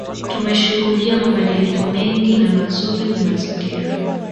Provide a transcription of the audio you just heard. Tumeshuhudia mabadiliko mengi na mazuri kimazingira